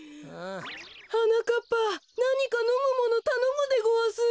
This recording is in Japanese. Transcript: はなかっぱなにかのむものたのむでごわす。